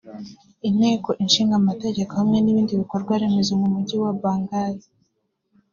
Inteko Ishinga Amategeko hamwe n’ibindi bikorwa remezo mu Mujyi wa Bangui